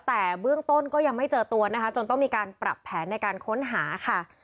แต่เบื้องต้นก็ยังไม่เจอตัวนะคะจนต้องมีการปรับแผนในการค้นหาค่ะ